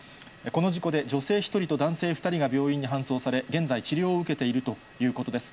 この事故で女性１人と男性２人が病院に搬送され、現在、治療を受けているということです。